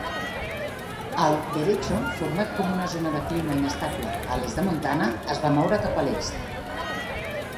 El "derecho" format com una zona de clima inestable a l'est de Montana es va moure cap a l'est.